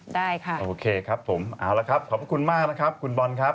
ได้ค่ะโอเคครับผมเอาละครับขอบคุณมากนะครับคุณบอลครับ